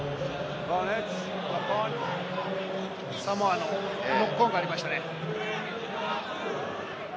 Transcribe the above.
サモアのノックオンがありましたね。